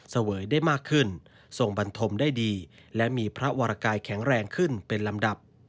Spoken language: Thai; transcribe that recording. เสวยได้มากขึ้นทรงบันทมได้ดีและมีพระวรกายแข็งแรงขึ้นเป็นลำดับ